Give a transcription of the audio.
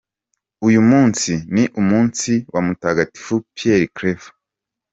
Uyu munsi ni umunsi wa Mutagatifu Pierre Claver.